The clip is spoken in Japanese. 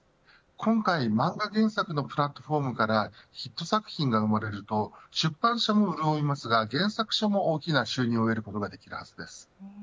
今回漫画原作のプラットフォームからヒット作品が生まれると出版社も潤いますが、原作者も大きな収入を得ることができるはずです。